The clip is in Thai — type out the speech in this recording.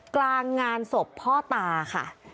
กลางงานศพพ่อตาค่ะ